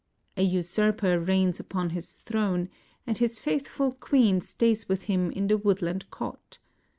An usurper reigns upon hJs throne, and his faithful queen stays w^th him in the woodland cot.